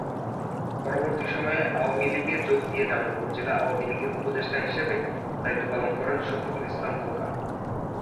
পরবর্তী সময়ে আওয়ামী লীগে যোগ দিয়ে জামালপুর জেলা আওয়ামী লীগের উপদেষ্টা হিসেবে দায়িত্ব পালন করেন শফিকুল ইসলাম খোকা।